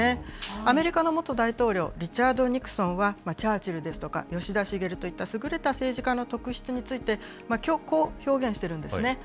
アメリカの元大統領、リチャード・ニクソンはチャーチルですとか吉田茂といった、優れた政治家の特質について、こう表現してるんですね。